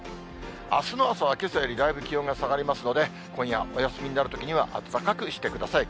あすの朝はけさよりだいぶ気温が下がりますので、今夜、お休みになるときには暖かくしてください。